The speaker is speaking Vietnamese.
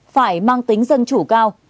phải mang tính dân chủ cao